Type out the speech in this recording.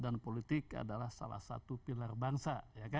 dan politik adalah salah satu pilar bangsa